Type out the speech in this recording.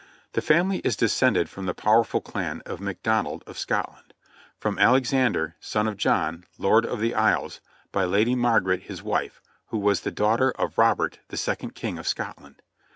The family is descended from the powerful clan of MacDonald of Scotland, from Al exander, son of John, Lord of the Isles, by Lady Margaret his wife, who was the daughter of Robert the second King of Scotland.